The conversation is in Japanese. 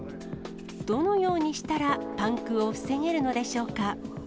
どのようにしたら、パンクを防げるのでしょうか。